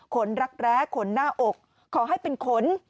คนรักแร้ขนหน้าอกขอให้เป็นขน